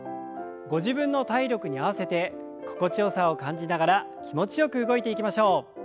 ご自分の体力に合わせて心地よさを感じながら気持ちよく動いていきましょう。